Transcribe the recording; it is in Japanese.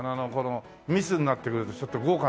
美栖になってくるとちょっと豪華になるね。